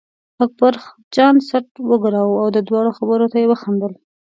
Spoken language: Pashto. اکبرجان څټ و ګراوه او د دواړو خبرو ته یې وخندل.